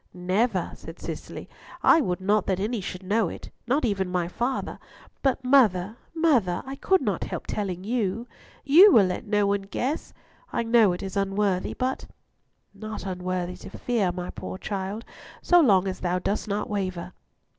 "Never," said Cicely; "I would not that any should know it, not even my father; but mother, mother, I could not help telling you. You will let no one guess? I know it is unworthy, but—" "Not unworthy to fear, my poor child, so long as thou dost not waver."